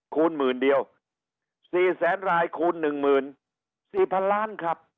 คูณหมื่นเดียว๔๐๐๐๐๐รายคูณ๑๐๐๐๐